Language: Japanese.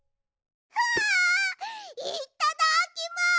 わあいっただっきます！